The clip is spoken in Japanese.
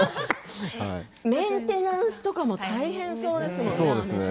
メンテナンスも大変そうですね。